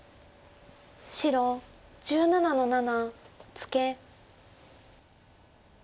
白１７の七ツケ。